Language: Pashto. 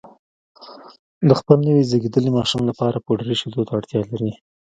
د خپل نوي زېږېدلي ماشوم لپاره پوډري شیدو ته اړتیا لري